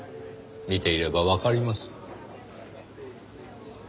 見ていればわかります。